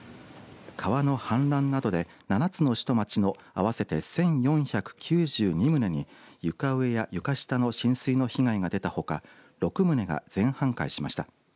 川の氾濫などで７つの市と町の合わせて１４９２棟に床上や床下の浸水の被害が出たほか６棟が全半壊しました。